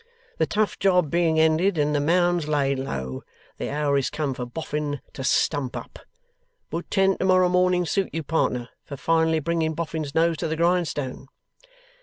The tough job being ended and the Mounds laid low, the hour is come for Boffin to stump up. Would ten to morrow morning suit you, partner, for finally bringing Boffin's nose to the grindstone?